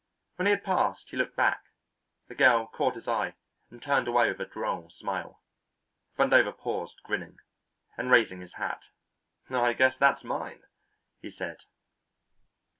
When he had passed he looked back; the girl caught his eye and turned away with a droll smile. Vandover paused, grinning, and raising his hat; "I guess that's mine," he said.